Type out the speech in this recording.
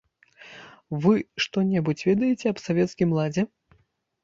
Вы што-небудзь ведаеце аб савецкім ладзе?